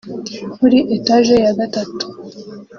muri etaje ya gatatu